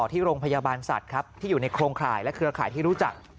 ที่โรงพยาบาลสัตว์ครับที่อยู่ในโครงข่ายและเครือข่ายที่รู้จัก